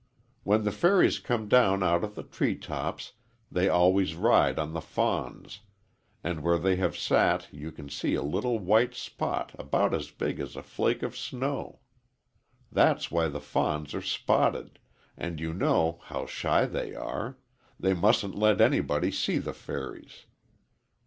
When the fairies come down out of the tree tops they always ride on the fawns, and where they have sat you can see a little white spot about as big as a flake of snow. That's why the fawns are spotted, and you know how shy they are they mustn't let anybody see the fairies.